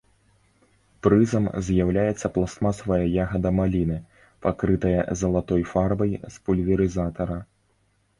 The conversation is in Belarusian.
Прызам з'яўляецца пластмасавая ягада маліны, пакрытая залатой фарбай з пульверызатара.